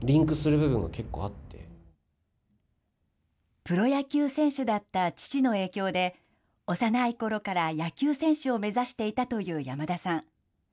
プロ野球選手だった父の影響で、幼いころから野球選手を目指していたという山田さん。